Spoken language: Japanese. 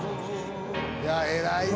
いや偉いね。